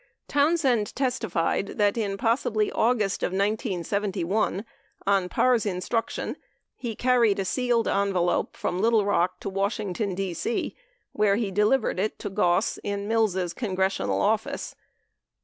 21 Townsend testified that in possibly August of 1971, on Parr's in struction, he carried a sealed envelope from Little Rock to Wash ington, D.C. where he delivered it to Goss in Mills' congressional office.